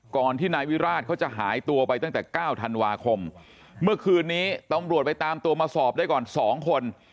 ก่อนที่นายวิราชเขาจะหายตัวไปตั้งแต่๙ธันวาคมเมื่อคืนนี้ตำรวจไปตามตัวมาสอบได้ก่อน๒คน